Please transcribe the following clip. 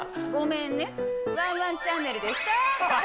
ごめんね、ワンワンチャンネルでした。